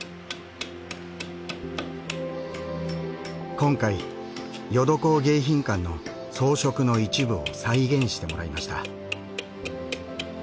今回『ヨドコウ迎賓館』の装飾の一部を再現してもらいました。